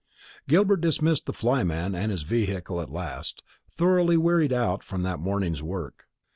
Gilbert dismissed the fly man and his vehicle at last, thoroughly wearied out with that morning's work.